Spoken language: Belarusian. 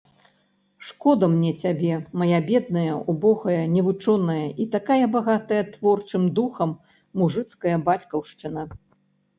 Шкода мне цябе, мая бедная, убогая, невучоная і такая багатая творчым духам мужыцкая бацькаўшчына.